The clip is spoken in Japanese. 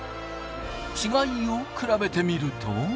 違いを比べてみると。